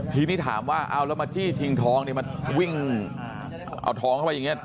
ทีนี้ถามว่าเอาแล้วมาจี้ชิงทองเนี่ยมาวิ่งเอาทองเข้าไปอย่างนี้